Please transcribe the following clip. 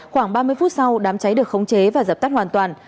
khoảng ba mươi phút sau đám cháy được khống chế và dập tắt hoàn toàn